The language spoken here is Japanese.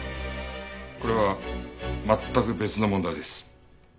これは全く別の問題です。